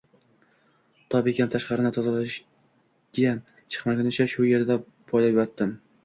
To bekam tashqarini tozalashga chiqmaguncha shu yerda poylab yotdim